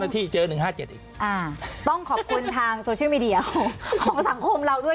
ต้องขอบคุณทางโซเซียลมีเดียของสังคมเราด้วย